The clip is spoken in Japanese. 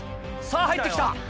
さぁ入って来た！